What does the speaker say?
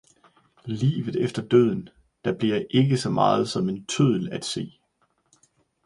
Livet efter døden, der blev ikke så meget som en tøddel at se.